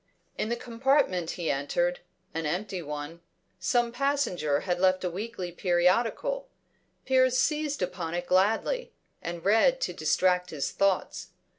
In the compartment he entered, an empty one, some passenger had left a weekly periodical; Piers seized upon it gladly, and read to distract his thoughts.